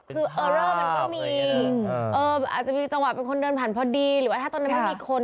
คือเออเลอร์มันก็มีอาจจะมีจังหวะเป็นคนเดินผ่านพอดีหรือว่าถ้าตอนนั้นไม่มีคน